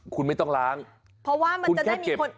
คุณไม่ต้องล้างเพราะว่ามันจะได้มีคน